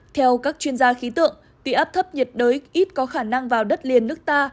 theo các chuyên gia khí tượng tuy áp thấp nhiệt đới ít có khả năng vào đất liền nước ta